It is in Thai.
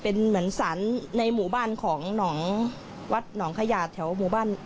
เป็นเหมือนศาลในหมู่บ้านของนำทวัดคำขยัดแถวหมู่บ้าน